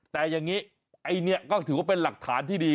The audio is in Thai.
แต่อย่างนี้ไอ้เนี่ยก็ถือว่าเป็นหลักฐานที่ดี